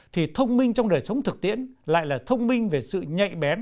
thì thông minh trong đời sống thực tiễn lại là thông minh về sự nhạy bén